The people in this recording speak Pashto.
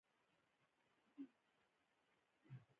مهرباني او مينه.